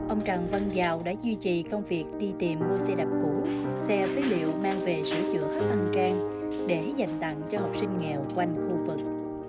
ông trần văn dầu đã duy trì công việc đi tiệm mua xe đạp cũ xe phí liệu mang về sửa chữa khắp ân trang để dành tặng cho học sinh nghèo quanh khu vực